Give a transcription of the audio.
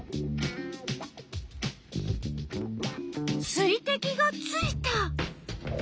水てきがついた！